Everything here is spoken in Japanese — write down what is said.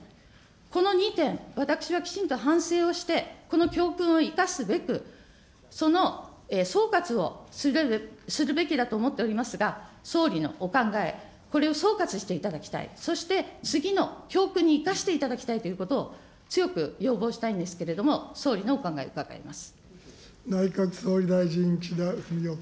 この２点、私はきちんと反省をして、この教訓を生かすべく、その総括をするべきだと思っておりますが、総理のお考え、これを総括していただきたい、次の教訓に生かしていただきたいということを強く要望したいんですけれども、総理のお考え、内閣総理大臣、岸田文雄君。